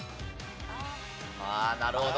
ああなるほど。